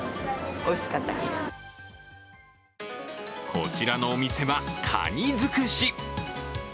こちらのお店はカニづくし。